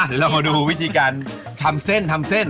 เดี๋ยวเรามาดูวิธีการทำเส้นทำเส้น